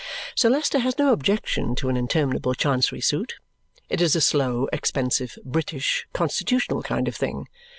Sir Leicester has no objection to an interminable Chancery suit. It is a slow, expensive, British, constitutional kind of thing.